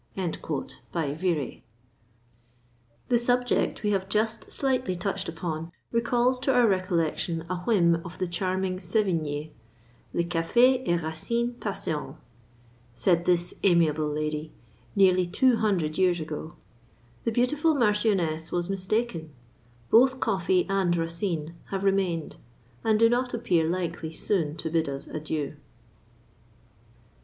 VIREY. The subject we have just slightly touched upon recalls to our recollection a whim of the charming Sévigné: "Le café et Racine passeront," said this amiable lady, nearly two hundred years ago. The beautiful marchioness was mistaken: both coffee and Racine have remained, and do not appear likely soon to bid us adieu.